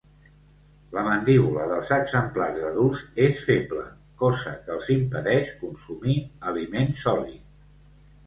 La mandíbula dels exemplars adults és feble, cosa que els impedeix consumir aliment sòlid.